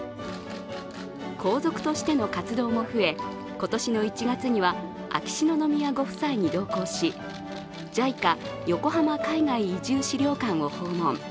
皇族としての活動も増え、今年の１月には秋篠宮ご夫妻に同行しＪＩＣＡ横浜海外移住資料館を訪問。